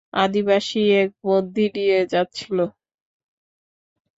আদিবাসী এক বন্দী নিয়ে যাচ্ছিল।